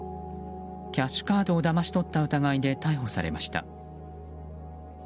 キャッシュカードをだまし取った疑いで、逮捕されました。